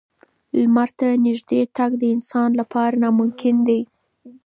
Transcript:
لمر ته نږدې تګ د انسان لپاره ناممکن دی.